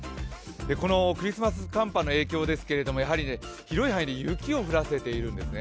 このクリスマス寒波の影響ですけど、広い範囲で雪を降らせているんですね。